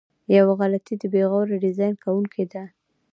یوه غلطي د بې غوره ډیزاین کوونکو ده.